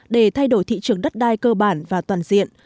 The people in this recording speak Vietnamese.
để thay đổi thị trường đất đai cơ bản và toàn diện